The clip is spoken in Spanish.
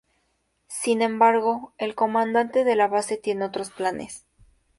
Sin embargo, el comandante de la base tiene otros planes.